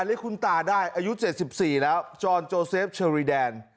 นี่คุณตาได้อายุเจ็ดสิบสี่แล้วจอร์นโจเซฟเชอรี่แดน